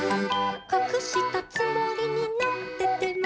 「かくしたつもりになってても」